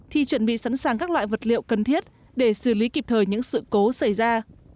thì chuẩn bị sẵn sàng các loại vật liệu cần thiết để xử lý kịp thời những sự cố xảy ra